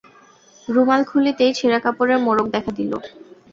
রুমাল খুলিতেই ছেঁড়া কাপড়ের মোড়ক দেখা দিল।